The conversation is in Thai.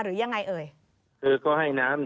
หนองน้ำผู้ใช่ครับ